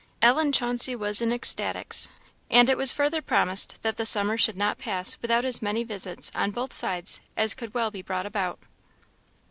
Ellen Chauncey was in ecstatics. And it was further promised that the summer should not pass without as many visits on both sides as could well be brought about.